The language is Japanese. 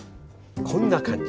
こんな感じ。